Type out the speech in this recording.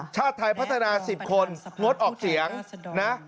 ชาติไทยพัฒนา๑๐คนงดออกเสียงนะ